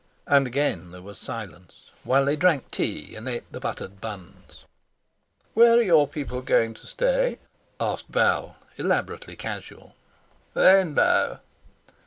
And again there was silence, while they drank tea and ate the buttered buns. "Where are your people going to stay?" asked Val, elaborately casual. "'Rainbow.